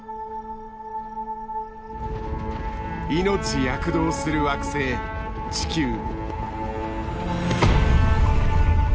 命躍動する惑星地球。